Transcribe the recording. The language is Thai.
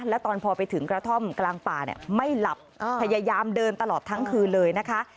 แล้วตอนพอไปถึงกระท่อมกลางป่าเนี่ยไม่หลับพยายามเดินตลอดทั้งคืนเลยนะคะ